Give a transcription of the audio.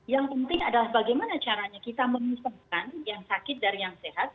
yang penting adalah bagaimana caranya kita menyusahkan yang sakit dari yang sehat